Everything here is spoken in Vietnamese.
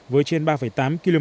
với trên ba tám triệu đồng